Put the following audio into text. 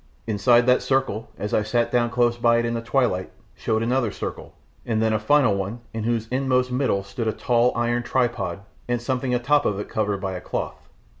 Inside that circle, as I sat down close by it in the twilight, showed another circle, and then a final one in whose inmost middle stood a tall iron tripod and something atop of it covered by a cloth.